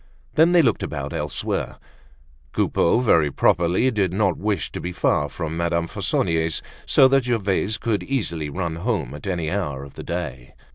Then, they looked about elsewhere. Coupeau, very properly did not wish to be far from Madame Fauconnier's so that Gervaise could easily run home at any hour of the day.